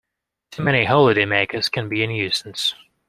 Too many holidaymakers can be a nuisance